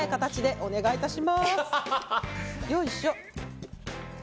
よいしょ。